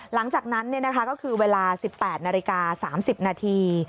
หลังจากนั้นก็คือเวลา๑๘นาฬิกา๓๐นาที